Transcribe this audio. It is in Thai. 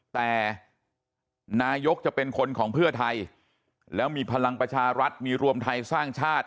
แต่นายกจะเป็นคนของเพื่อไทยแล้วมีพลังประชารัฐมีรวมไทยสร้างชาติ